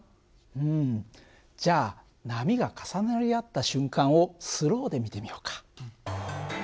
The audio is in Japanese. うんじゃあ波が重なり合った瞬間をスローで見てみようか。